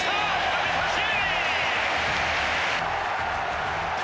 空振り三振！